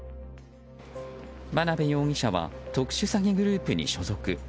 真辺容疑者は特殊詐欺グループに所属。